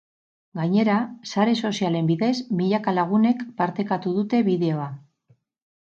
Gainera, sare sozialen bidez milaka lagunek partekatu dute bideoa.